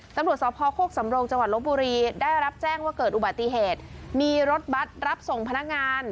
ตำรวจสพโคกสำโรงจังหวัดลบบุรีได้รับแจ้งว่าเกิดอุบัติเหตุมีรถบัตรรับส่งพนักงาน